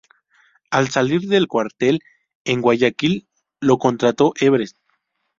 Al salir del cuartel, en Guayaquil, lo contrató Everest.